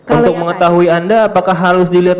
untuk mengetahui anda apakah harus dilihat